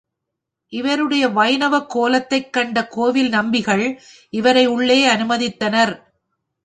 இவருடைய வைணவக் கோலத்தைக் கண்ட கோவில் நம்பிகள், இவரை உள்ளே அனுமதித்தனர்.